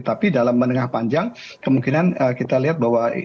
tapi dalam menengah panjang kemungkinan kita lihat bahwa